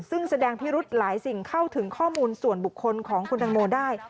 ซึ่งแสดงพิรุธหลายสิ่งเข้าถึงข้อมูลส่วนบุคคลของคุณตังโมได้